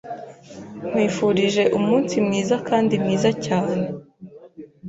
Nkwifurije umunsi mwiza kandi mwiza cyane